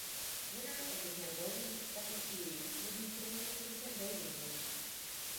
Winner of the Cambodian Second League will be promoted to the Cambodian League.